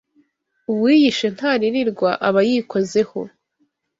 Uwiyishe ntaririrwa aba yikozeho